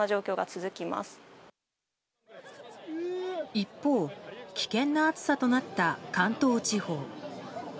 一方危険な暑さとなった関東地方。